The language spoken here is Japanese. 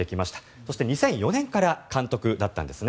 そして、２００４年から監督だったんですね。